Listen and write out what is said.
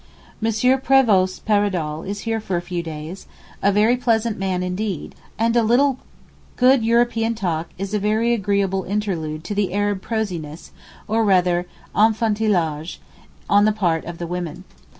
M. Prévost Paradol is here for a few days—a very pleasant man indeed, and a little good European talk is a very agreeable interlude to the Arab prosiness, or rather enfantillage, on the part of the women.